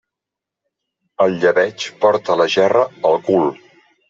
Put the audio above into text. El llebeig porta la gerra al cul.